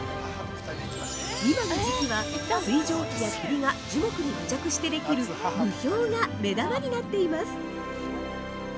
今の時季は、水蒸気や霧が樹木に付着してできる霧氷が目玉になっています。